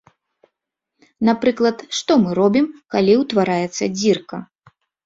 Напрыклад, што мы робім, калі ўтвараецца дзірка?